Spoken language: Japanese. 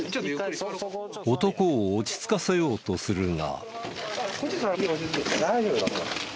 男を落ち着かせようとするが。